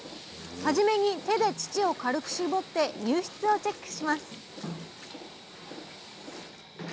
はじめに手で乳を軽くしぼって乳質をチェックします